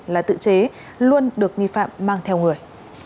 là tự chế luôn được nghi phạm mang theo người